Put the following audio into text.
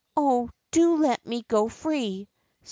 Oh, do let me go free